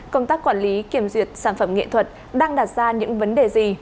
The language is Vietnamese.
công tác quản lý kiểm duyệt sản phẩm nghệ thuật đang đặt ra những vấn đề gì